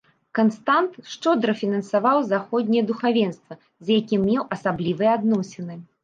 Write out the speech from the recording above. Канстант шчодра фінансаваў заходняе духавенства, з якім меў асаблівыя адносіны.